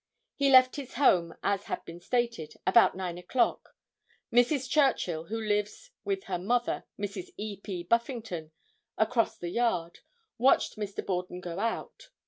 He left his home, as has been stated, about 9 o'clock. Mrs. Churchill, who lives with her mother, Mrs. E. P. Buffington, across the yard, watched Mr. Borden go out.